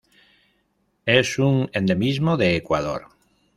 Es un endemismo de Ecuador.